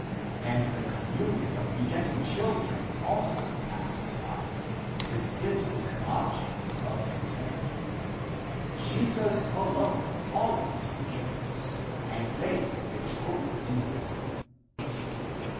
And the communion of begetting children also passes by, since it is an object of contempt. Jesus alone always remains and they which hope in him."